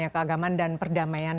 keagaman dan perdamaian